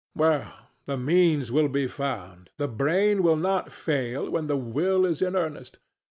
Well, the means will be found: the brain will not fail when the will is in earnest.